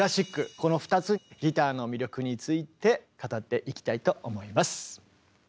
この２つギターの魅力について語っていきたいと思います。